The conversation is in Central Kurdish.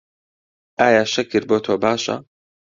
ئایا شەکر بۆ تۆ باشە؟